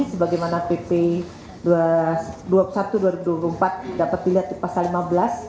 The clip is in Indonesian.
sebagaimana pp dua puluh satu dua ribu dua puluh empat dapat dilihat di pasal lima belas